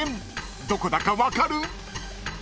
［どこだか分かる？］